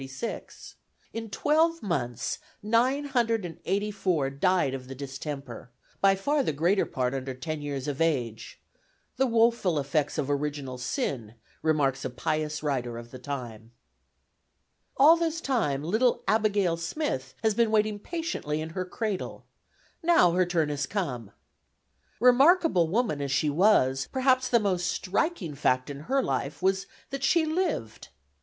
In twelve months, nine hundred and eighty four died of the distemper, by far the greater part under ten years of age "the woful effects of Original Sin," remarks a pious writer of the time. All this time little Abigail Smith has been waiting patiently in her cradle; now her turn has come. Remarkable woman as she was, perhaps the most striking fact in her life was that she lived.